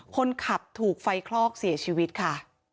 คนขับถูกไฟคลอกเสียชีวิตค่ะ